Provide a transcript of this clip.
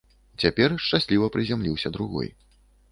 Цяпер шчасліва прызямліўся другой.